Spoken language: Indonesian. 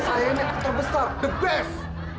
saya ini yang terbesar the best